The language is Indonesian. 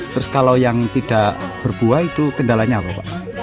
terus kalau yang tidak berbuah itu kendalanya apa pak